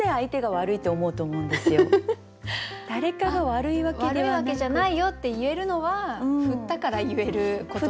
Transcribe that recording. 悪いわけじゃないよって言えるのは振ったから言えること。